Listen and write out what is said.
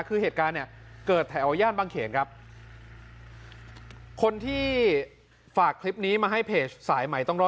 คือเหตุการณ์เนี่ยเกิดแถวย่านบางเขนครับคนที่ฝากคลิปนี้มาให้เพจสายใหม่ต้องรอ